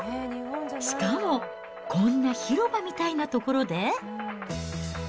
しかも、こんな広場みたいな所で？